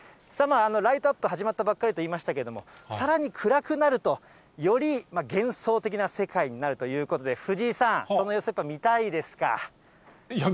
ライトアップ始まったばかりと言いましたけれども、さらに暗くなると、より幻想的な世界になるということで、藤井さん、その様子、いや、見たいですよ。